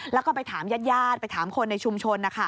แล้วก็ไปถามญาติญาติไปถามคนในชุมชนนะคะ